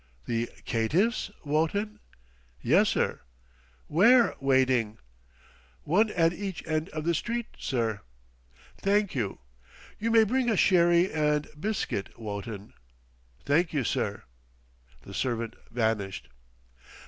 "The caitiffs, Wotton?" "Yessir." "Where waiting?" "One at each end of the street, sir." "Thank you. You may bring us sherry and biscuit, Wotton." "Thank you, sir." The servant vanished.